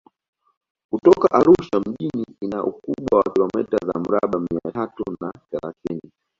Kutoka Arusha mjini ina ukubwa wa kilometa za mraba mia tatu na thelathini